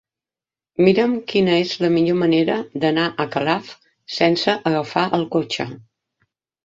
Mira'm quina és la millor manera d'anar a Calaf sense agafar el cotxe.